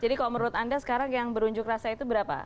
jadi kalau menurut anda sekarang yang berunjuk rasa itu berapa